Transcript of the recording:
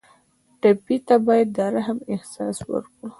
ټپي ته باید د رحم احساس ورکړو.